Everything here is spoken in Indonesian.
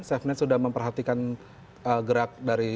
safenet sudah memperhatikan gerak dari